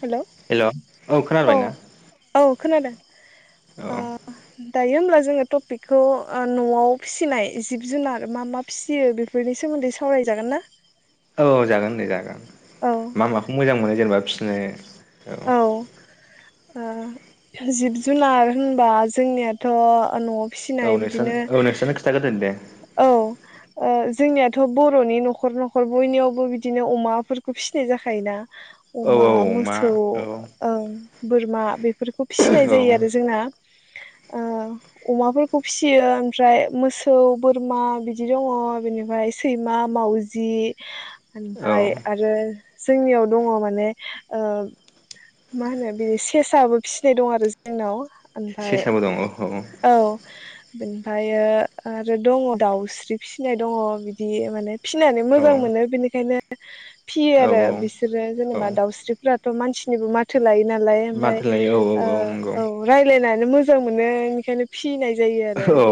Hello hello औ खोनाबायना? औ खोनादों। औ दायो होमब्ला जोङो टपिकखौ ओ न'आव फिसिनाय जिब जुनार मा मा फिसियो बेफोरनि सोमोन्दै सावराय जागोन ना? औ जागोन दे जागोन। औ मा माखौ मोजां मोनो जेनेबा फिनो? औ। ओ जिब जुनार होनबा जोंनियाथ' न' औ फिनाय नोंस्रानो बिदिनो औ नोंस्रानो खिथाग्रोदो दे औ ओ जोंनियाथ' बर'नि न'खर न'खर बयनियावबो बिदिनो अमाफोर खौ फिनाय जाखायोना? औ अमा, औ मा मोसौ औ ओं। बोरमा बे फोरखौ फिसिनाय औ जायो आरो जोंना। ओ अमाफोरखौ फिसियो ओमफ्राय मोसौ, बोरमा बिदि दङ बेनिफाय सैमा, मावजि। औ ओमफाय जोंनियाव दङ माने ओ मा होनो बे सेसाबो फिनाय दं आरो जोंनाव। ओमफाय सेसाबो दं औ औ। बेनिफायो आरो दङ दाउस्रि फिनाय दङ बिदि माने फिनानै औ मोजां मोनो बेनिखायनो [unintelligible] फियो औ आरो बिसोरो औ जेनेबा दाउस्रिफोरा थ' मानसिनिबो माथो लायो। नालाय ओमफाय माथो लायो औ ओ नंगौ औ रायलायनाय ओ मोजां मोनो ओंखायनो फि औ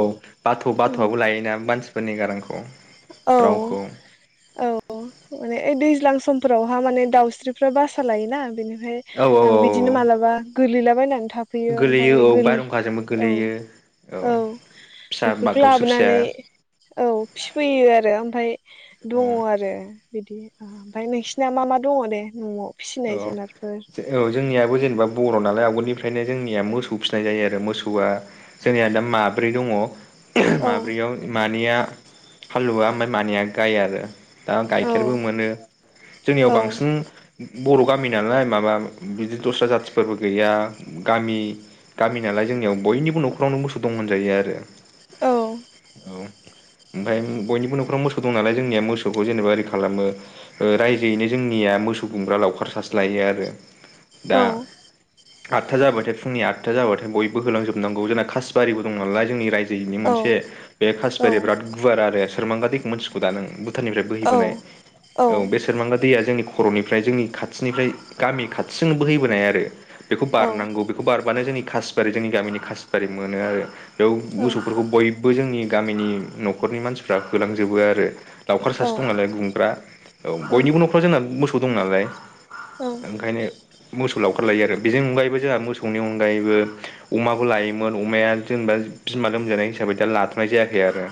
बाथ' औ बाथ'आबो लायोना मानसिफोरनि गारांखौ रावखौ औ माने [unintelligible] दै ज्लां समफोरावहा माने दाउस्रिफ्रा बासा लायोना बेनो औ ओमफाय औ औ बिदिनो मालाबा गोलैलाबायनानै थाफैयो गोलैयो ओमफाय औ गोलै बारहुंखाजोंबो औ गोलैयो औ फिसा बेफोरखौ बागदावसो लाबोनानै फिसाया औ फिफैयो आरो ओमफाय दङ औ आरो बिदि ओमफाय नोंसिना मा मा दङ दे न'आव? औ फिसिनाय जुनारफोर औ जोंनियाबो जेनेबा बर' नालाय आ गोलनिफ्रायनो जोंनिया मोसौ फिनाय जायो आरो मोसौवा जोंनिया दा माब्रै दङ। [unintelligible] औ माब्रैयाव मा निया हालुवा ओमाय मानैया गाइ आरो दा औ गाइखेरबो मोनो जोंनियाव औ बांसिन बर' गामि नालाय माबा बिदि दस्रा जाथिफोरबो गैया गामि गामि नालाय जोंनियाव बयनिबो न'खरावनो मोसौ दं होनजायो आरो औ ओमफाय बयनिबो न'खराव मोसौ दं नालाय जोंनिया मोसौखौ जेनेबा ओरै खालामो ओ रायजोयैनो जोंनिया मोसौ गुमग्रा लावखार सासे लायो आरो औ आटथा जाबाथाय फुंनि आटथा जाबाथाय बयबो होलांजोबनांगौ जोंना कासबारिबो दं नालाय जोंनि रायजो यैनो औ मोनसे बे औ कासिबारि बिराद गुवार आरो सोरमांगा दैखौ मोनथिखौ दा नों भुटाननिफ्राय औ बोहैबोनाय औ बे सोरमांगा दैया जोंनि निफ्राय जोंनि खाथिनिफ्राय गामि खाथिजों बोहैबोनाय आरो बेखौ औ बारनांगौ बेखौ बारबानो जोंनि कासिबारि जोंनि गामिनि कासिबारि मोनो आरो बेयाव औ मोसौफोरखौ बयबो जोंनि गामिनि न'खरनि मानसिफ्रा होलांजोबो आरो लावउखार औ सासे दं नालाय गुमग्रा औ बयनिबो न'खरावव जोंना मोसौ दं नाल ओंखायनो मोसौ लाव खार लायो आरो बेजों अनगायैबो जोंहा मोसौनि अनगायैबो अमाबो लायोमोन अमाया जेनेबा बिमा लोमजानाय हिसाबै दा लाथ'नाय जायाखै आरो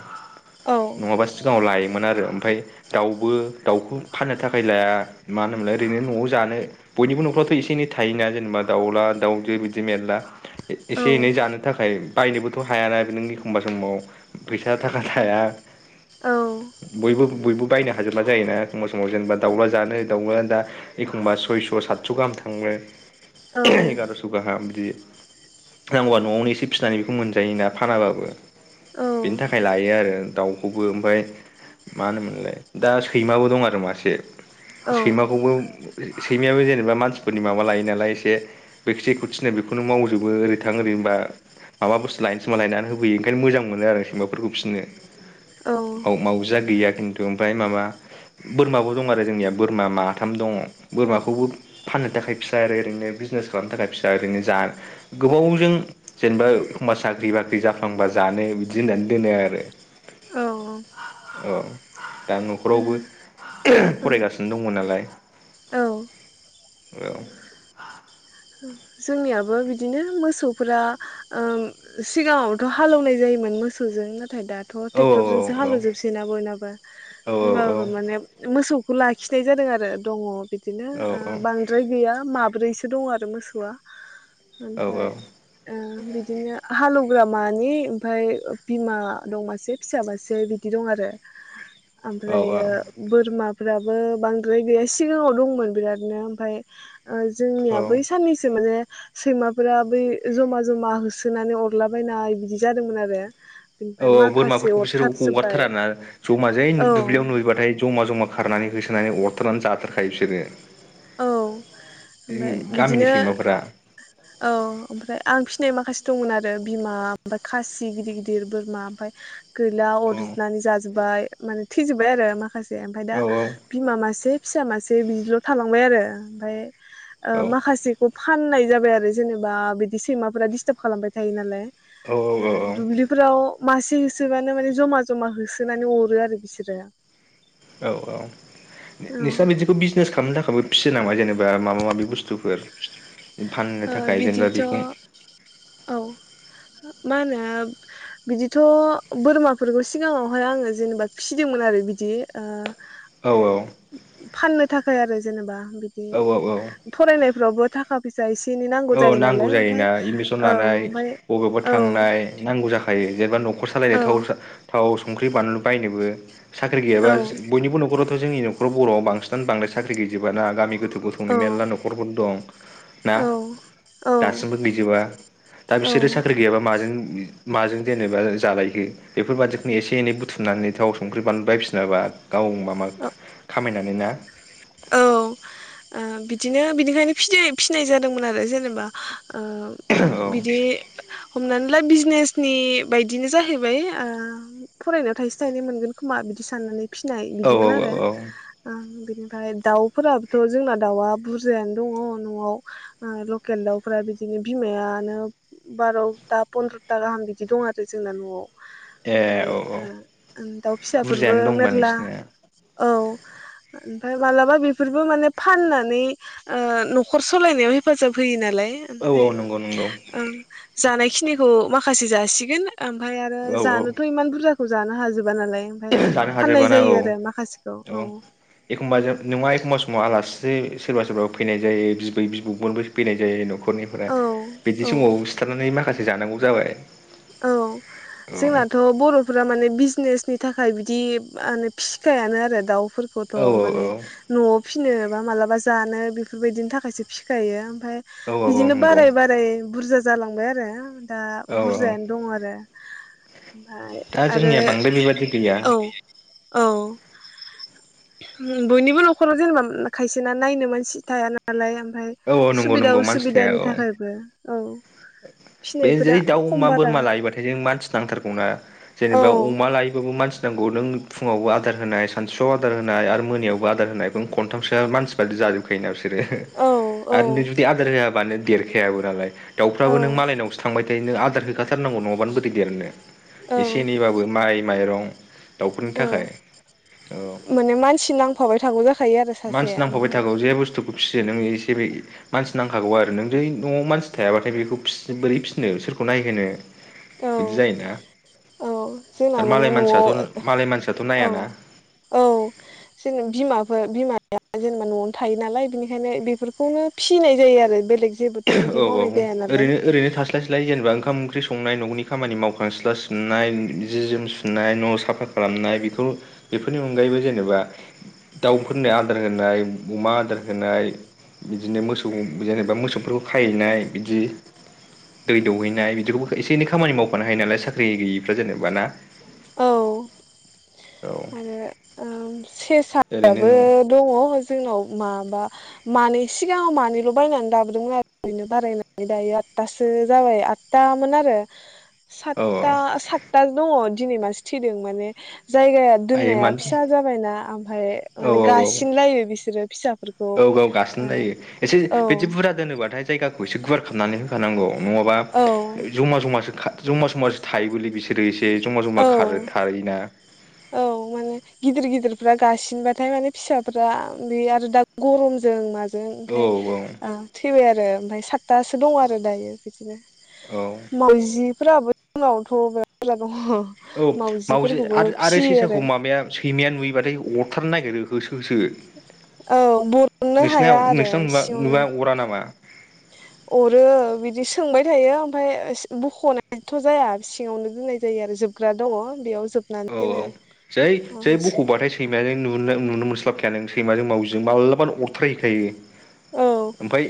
नङाबा सिगाङाव लायोमोन आरो ओमफाय दाउबो दाउखौ फाननो थाखाय फैलाया मा होनोमोनलाय ओरैनो न'आव जानो बयनिबो न'फ्रावथ' एसे एनै थायोना जेनेबा दाउला दाउजो बिदि मेरला ए-एसे एनै औ जानो थाखाय बायनोबोथ' हाया ना नों एखनबा समाव फैसा थाखा थाया बयबो बयबो बायनो हाजोबा जायोना एखनब्ला समाव जेनेबा दाउला जानो दाउआ नो बा एखमब सयस' सतस' गाम थां थांङो औ एगार'स' गाहा बिदि नांगौव बा न'आवनो एसे फिसिनानै बेखौ मोन जायोना फानाबाबो औ बिनि थाखाय लायो आरो दाउ बेबो ओमफ्राय मा होनोमोनलाय दा सैमाबो दं आरो मासे औ सैमाखौबो सैमायाबो जेनेबा जेनबा मानसिफोरनि माबा लायो नालाय एसे जेखौ थिनो बेखौनो मावजोबो ओरै थां ओरै होनबा माबा बुसथु लायनो थिनबा लायनानै होफैयो ओंखायनो मोजां मोनो आरो सैमाफोरखौ फिनो माव मावजिया गैया खिन्थु ओमफ्राय माबा बोरमाबो दं आरो जोंनिया। बोरमा माथाम दंङ बोरमाखौबो फाननो थाखाय फिसा आरो ओरैनो बिजनेस खालामनो थाखाय फिसा ओरैनो जा गोबावजों जेनेबा एखमबा साख्रि बाख्रि जाफ्लांबा जानो बिदि होननानै दोनो आरो औ ओ दा न'खरावबो फरायगासिनो दंङ नालाय औ औ। औ जोंनियाबो बिदिनो मोसौफोरा उम सिगाङावथ' हालेवनाय जायोमोन मोसौजों नो नाथाय दाथ' औ ट्रेक्टरजोंसो औ हालौजोबसै ना बयनाबो औ औ होनबाबो माने मोसौ खौ लाखिनाय जादों आरो दंङ बि बिदिनो ओ बांद्राय गैया माद ब्रैसो दं आरो। बे मोसौ आ। ओमफ्राय ओ। बिदिनो हालौवग्रा मानै ओमफ्राय बिमा दं मासे फिसा मासे बिदि दं आरो। ओमफ्रायो औ औ बोरमा फोराबो बांद्राय गैया सिगांङाव दंमोन बिरादनो ओमफ्राय ओं जोंनिया औ औ बै। [unintelligible] सैमाफोरा बै जमा-जमा होसोनानै अरलाबायनाय बिदि जादोंमोन आरो। औ बिनिफ्राय औ माखासे बोरमाफोरखौ बिसोरो अरथारजोब्बाय हगारथारा ना जमा जै औ दुब्लियाव नुयोबथाय जमा जमा। होखारनानै होसोनानै अरथारनानै जाथारखायो बिसोरो। औ ओमफ्राय गामिनि बिदिनो सैमाफोरा औ ओमफ्राय आं फिनाय माखासे दंमोन आरो बिमा ओमफ्राय खासि गिदिर गिदिर बोरमा ओमफ्राय गैला औ अरज्रिनानै जाजोबबाय माने थैजोब्बाय आरो माखासे ओमफाय दा औ बिमा मासे फिसा मासे बिदिल' थालांबाय आरो ओमफ्राय ओ औ माखासेखौ फाननाय जाबाय आरो जेनेबा बिदि सैमाफोरा दिस्टार्ब खालामबाय थायो नालाय। औ ओ दुब्लिफोराव मासे होसोबानो माने जमा जमा होसोनानै अरो आरो बिसोरो। औ औ औ नोंस्रा बिदिखौ बिजनेस खाम खामनो थाखायबो फिसिनो हायो नों बा माबा माबि बुस ओ जेनेबा बिदिथ' बेखौ औ मा होनो बिदिथ' बोरमाफोरखौ सिगाङावहाय आङो जेनेबा फिसिदोंमोन आरो बिदि ओ औ औ। फाननो थाखाय आरो जेनेबा बिदि औ औ औ। फरायनायफ्रावबो थाखा फैसा एसे एनै नांगौ औ जायो नालाय नांथां ओमफ्राय जायोना एडमिसन औ लानाय ओमफ्राय बबेबा औ औ थांनाय नांगौ जाखायो जेनेबा न'खर सालायनाय औ थाव सा थाव संख्रि बानलु बायनोबो। साख्रि गैयाबा बयनिबो न'खराव जोंनि नख'राव बर'आव बांसिन बांदाय साख्रि गैजोबाना गामि गो गोथौ गोजौनि मेनला न'खरफोर दं ना? औ दासिमबो गैजोबा दा औ बिसोरो साख्रि गैयाबा माजों माजों जेनेबा जालायखो बेफोरबादिखौनो एसे एनै बुथुमनानै थाव संख्रि बायफिनाबा। गाव माबा खामायनानै ना? दिनो बिनिखायनो फि फिनाय जादोंमोन आरो जेनेबा ओ औ बिदि हमनानै ला बिजनेसनि बायदिनो जाहैबाय ओ फरायनायाव थाइसे थाइनै मोनगोन खोमा बिदि साननानै फिनाय। औ औ बिदिमोन औ आरो औ ओ बिनो औ ओमफ्राय दाउफोराबोथ' जोंना दाउआ बुरजायानो दङ न'आव ओ लकेल दाउफोरा बिदिनो बिमायानो बार'था पन्द्र'था गाहाम बिदि दं आरो जोंना न'आव। ए ओमफ्राय औ औ ओ दाउ फिसाफोरबो बुरजायानो दंबा मेरला नोंसिनिया औ ओमफ्राय मालाबा बेफोरबो माने फाननानै ओ न'खर सालायनायाव हेफाजाब होयो नालाय। औ आमफ्राय औ नंगौ नंगौ ओ जानाय खिनिखौ मा माखासे जासिगोन ओमफाय आरो औ औ जानोथ' इमान बुरजा खौ जानो हाजोब बा नालाय ओमफाय जानो फाननाय हाजोबाना जायो औ आरो। औ एखमबा जों नङा एखमबा समाव आलासि बे सोरबा सोरबा फैनाय जायो बिबै बिबौमोनबो फैनाय जायो न'ख खरनिफ्राय औ बिदि औ समाव सिथारनानै माखासे जानांगौ जाबाय। औ औ जोंनाथ' बर'फोरा माने बिजनेसनि थाखाय बिदि मा होनो फिसखायानो आरो दाउ फोरखौथ' माने औ न'आव फिनो बा मालाबा जानो बिफोरबायदिनि थाखायसो फिखायो। फाय औ औ बिदिनो नंगौ बाराय बाराय बुरजा जालांबाय आरो दा औ औ बुरजायानो दं आरो। ओमफाय दा आरो जोंनिया बांद्राय बेबादि गैया औ। औ हम बयनिबो न'खराव जेनेबा खायसे ना नायनो मानसि थाया नालाय फाय औ औ नंगौ सुबिदा नंगौ मानसि थाया उसुबिदानि औ थाखायबो। औ बे जै फिनायफोरा दाउ खम अमा बारा बोरमा लायोबाथाय जों मानसि नांथारगौना औ जेनेबा अमा लायोबाबो मानसि नांगौ नों फुङावबो आदार होनाय सानसुआव आदार होनाय आरो मोनायावबो आदार होनाय नों खनथामसोआ मानसि बादि जाजोबखायो ना बिस रो औ औ आरो नों जुदि आदार होआबानो देर खेयाबोनालाय। दाउफ्राबो औ नों मालायनावसो थांबाय थायो नो आदार हो खाथारनांगौ नङाबानो बोरै देरनो। एसे एनैबाबो माइ माइरं सो औ माने मानसि नांफाबाय थागौ जाखायो आरो मानसि सासे नांफाबाय ओमफाय। थागौ जे बुस्थुखौ फिसियो नोङो एसे मानसि नांखागौ आरो नों जै न'आव मानसि थायाबाथाय बेखौ फिसि बोरै फिसि औ जायोना औ जोंना आरो माने मालाय न'आव मानसियाथ' मालाय मानसियाथ' औ नायाना औ जों बिमाफोर बिमाया जेनेबा न'आवनो थायो नालाय बिनिखायनो बेफोरखौनो फिसिनाय जायो आरो बेलेग जेबोथ' बिदि औ औ मावनाय जाया नालाय ओरैनो ओरैनो थास्लाय स्लाय जेनेबा ओंखाम ओंख्रि संनाय न'नि खामानि मावखां सिथ्ला सिबनाय जि जोम सुनाय न' साफा खालामनाय बेखौ बेफोरनि अनगायैबो जेनेबा दाउफोरनो आदार होनाय अमा आदार होनाय बिदिनो मोसौ जेनेबा मोसौफोर खायैनाय बिदि दै दौवैनाय बिदिफोरखौबो एसे एनै खामानि मावफानो हायो नालाय साख्रि गैयिफ्रा जेनेबा ना। औ औ ओरैनो दाबो न' दङ जोंनाव मा माबा मानै सिगाङाव मानैल' बायनानै दाबो दों आरो ओरैनो बारायनानै दायो आदथासो जाबाय आदतामोन आरो औ सातता औ सातता दङ। दिनै मासे थैदों माने जायगाया आयै दोननाया मानो फिसा जाबायना ओमफाय औ माने औ औ गासिनलायो बिसोरो फिसा औ औ गासिन लायो एसे ओ बिदि बुरजा दोनोबाथाय जायगाखौ एसे गुवार खालामनानै होखानांगौ। नङाबा औ जमा जमासो खा जमा जामासो थायोबोलै बिसोरो। जमा जमा औ खारो थायोना औ माने गिदिर गिदिर फ्रा गासिनबाथाय माने फिसाफोरा बे आरो दा गरमजों मा जों औ ओंखाय ओ थैबाय आरो। ओमफाय सा तासो दङ आरो दायो बिदिनो औ मावजि फोराबो जोंनावथ' बिराद बुरजा दङ। औ मावजि मावजिफोरखौबो आरो आरो फिसियो सेसाखौ माबाया सैमाया नुयोबाथाय अरथारनो नागिरो होस औ बर'ननो नोंसिना हाया आरो नोंसिनाव नुवा सिंआवनो नुवा अरा नामा अरो बिदि सोंबाय थायो ओमफाय बख'नायथ' जाया सिङावनो दोननाय जायो आरो जोबग्रा दङ बेयाव औ जोबनानै औ दोनो जै औ जै बख'बाथाय सैमाजों नुनो नुनो मोनस्लाबखाया नों सैमाजों मावजिजों माब्लाबानो अरथारय हैखायो। ओमफाय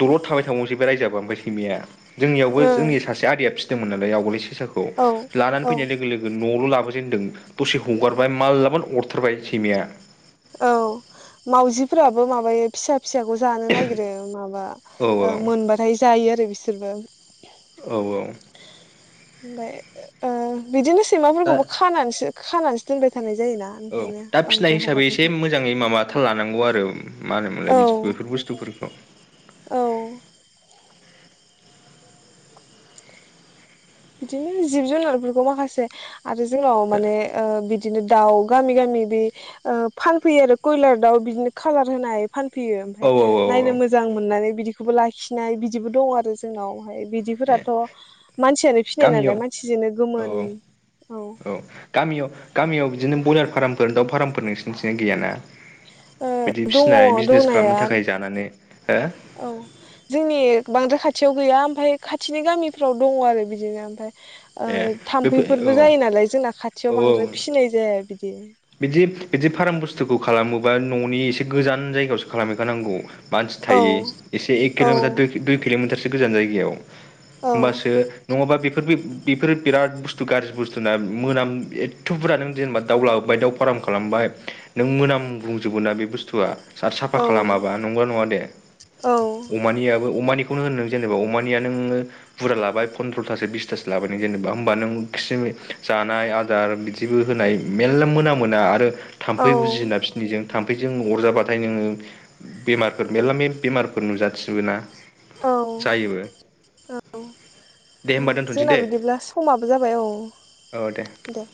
दलद थाबाय थाबावनोसै रायजाबा ओमफाय सैमाया जोंनियावबो जोंनि ओं सासे आदैया फिसि दोंमोन नालाय आवगोलाय सेसाखौ औ लानानै औ फैनाय लोगो लोगो लाबोजेनदों दसे हगारबाय माललाबानो अरथारबाय सैमाया। औ मावजिफोराबो माबायो फिसा फिसाखौ जानो नागिरो माबा औ ओ मोनबाथाय जायो आरो बिसोर। सोरबा औ औ। होमबाय ओ बिदिनो दा सैमाफोरखौबो खानानैसो खानानैसो दोनबाय थानाय जायोना औ ओंखायनो दा फिनाय बांद्राय हिसाबै हगारनाय एसे जाया मोजाङै माबा थाल लानांगौ आरो मा होनोमोनलाय औ बिदि बेफोर बुस्थुफोरखौ। औ बिदिनो जिब जुनारफोरखौ माखासे आरो जोंनाव माने ओ बिदिनो दाउ गामि गामि बे ओ फानफैयो आरो कयलार दाउ बिदिनो खालार होनाय फानफैयो औ ओमफ्राय औ औ नायनो मोजां मोननानै बिदि लाखिनाय बिदिबो दं आरो जोंनाव। फ्राय ए बिदिफोराथ' मानसिया गामियाव औ औ औ गामियाव गामियाव बिदि। बिदिनो ब्रयलारमफोर दा फार्मफोर नोंसिथि गैयाना। ओ बिदि दङ फिसिनाय बिजनेस खालामनो दंनाया थाखाय जानानै हो औ जोंनि बांद्राय खाथियाव गैया होम ओमफाय खाथिनि गामिफ्राव दङ आरो बिदिनो ओमफाय। ए ओ बेफोर थाम्फैफोरबो औ जायो नालाय जोंना खाथियाव औ औ बांद्राय फिसिनाय जाया बिदि बिदि बिदि फार्म बुस्थुखौ खालामोबा न'नि एसे गोजान जायगायावसो खालामहैखानांगौ। मानसि औ थायो एसे एक औ किल'मिटार दुइ किल'मिटारसो गोजान जायगायाव। औ होमबासो नङाबा बेफोरबै बेफोर बिराद बुस्थु गाज्रि बुस्थु ना मोनाम एथ' बुरजा नों जेनेबा दाउला बाय दाउ फारर्म खालामबाय नों मोनाम बुंजोबो ना बे बुस्थुआ आरो साफा खालामाबा नंला नङा दे औ अमानियाबो अमानि खौनो होन नों जेनेबा अमानिया नों बुर्जा लाबाय फनद्रथासो बिस थासो लाबाय नों जेनेबा होमबा नों खि जानाय आदार बिदिबो होनाय मे मेरला मोनामोना आरो औ थाम्फै उजियोना फिसिनिजों थामफै जों अरजाबाथाय नोङो बेमारफोर मेरला म बेमारफोर नुजाथिबोना औ औ दे होमबा दोनथ'नोसै जोंना दे बिदिब्ला समाबो जाबाय औ दे।